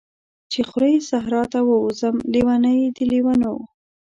چی خوری صحرا ته ووځم، لیونۍ د لیونیو